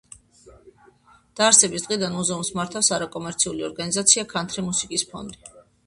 დაარსების დღიდან მუზეუმს მართავს არაკომერციული ორგანიზაცია „ქანთრი მუსიკის ფონდი“.